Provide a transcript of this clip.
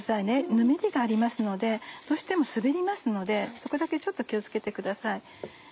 ぬめりがありますのでどうしても滑りますのでそこだけちょっと気を付けてください。